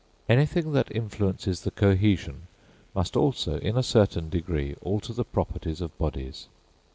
Anything that influences the cohesion, must also in a certain degree alter the properties of bodies.